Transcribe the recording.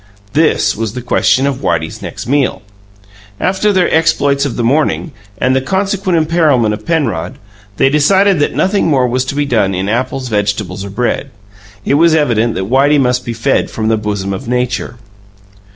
This was the question of Whitey's next meal. After their exploits of the morning, and the consequent imperilment of Penrod, they decided that nothing more was to be done in apples, vegetables or bread; it was evident that Whitey must be fed from the bosom of nature.